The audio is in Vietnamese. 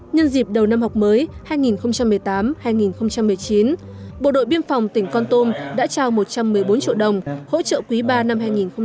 nhân dịp đầu năm học mới hai nghìn một mươi tám hai nghìn một mươi chín bộ đội biên phòng tỉnh con tum đã trao một trăm một mươi bốn triệu đồng hỗ trợ quý ba năm hai nghìn một mươi chín